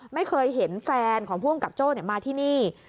ไม่เคยเห็นแฟนของผู้กำกับโจ้มาที่นี่